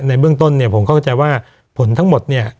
ในเบื้องต้นเนี่ยผมเข้าใจว่าผลทั้งหมดเนี่ย